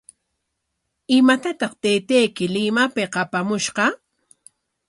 ¿Imatataq taytayki Limapik apamushqa?